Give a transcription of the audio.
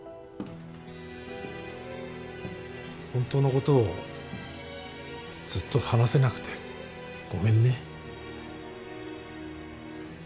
本当のことをずっと話せなくてごめんね。